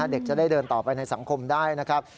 เด็กจะได้เดินต่อไปในสังคมได้นะครับ